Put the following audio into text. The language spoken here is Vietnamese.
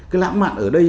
cái lãng mạn ở đây